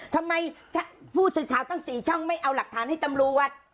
ทำไมผู้สื่อข่าวตั้ง๔ช่องไม่เอาหลักฐานให้ตำรวจ